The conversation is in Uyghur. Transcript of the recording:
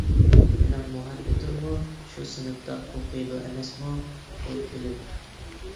مېنىڭ مۇھەببىتىممۇ شۇ سىنىپتا ئوقۇيدۇ ئەمەسمۇ؟ -ئۇ كۈلۈپ.